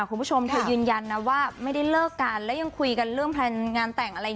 คุณผู้ชมเธอยืนยันนะว่าไม่ได้เลิกกันแล้วยังคุยกันเรื่องแพลนงานแต่งอะไร